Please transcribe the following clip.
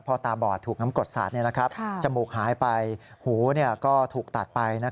พอตาบอดถูกน้ำกรดสาดจมูกหายไปหูก็ถูกตัดไป